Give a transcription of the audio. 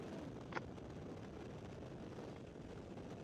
nipo upande wa kusuka na wewe unaitwa